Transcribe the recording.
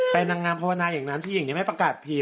แฟนนางงามภาวนาอย่างนั้นที่ยิ่งนี้ไม่ประกาศผิด